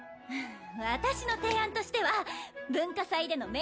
私の提案としては文化祭でのメイド服は